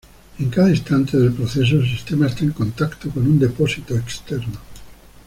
En cada instante del proceso, el sistema está en contacto con un depósito externo.